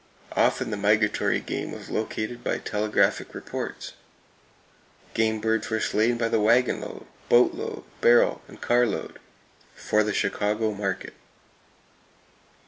Often the migratory game was located by telegraphic reports. Game birds were slain by the wagon load, boat load, barrel, and car load, "for the Chicago market."